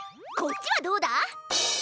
こっちはどうだ？